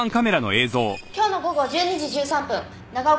今日の午後１２時１３分長岡京市。